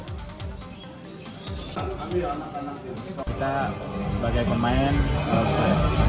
kita sebagai pemain dan pelatih persib